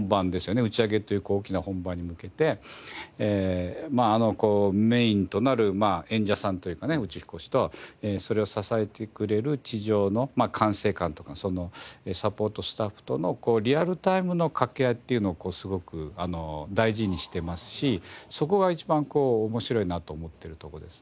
打ち上げという大きな本番に向けてメインとなる演者さんというか宇宙飛行士とそれを支えてくれる地上の管制官とかそのサポートスタッフとのリアルタイムの掛け合いっていうのをすごく大事にしてますしそこが一番面白いなと思ってるところですよね。